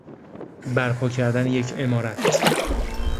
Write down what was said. برپا کردن یک عمارت